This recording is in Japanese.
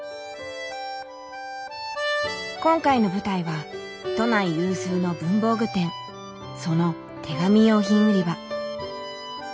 今回の舞台は都内有数の文房具店その手紙用品売り場。